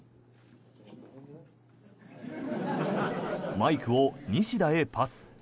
マイクを西田へパス。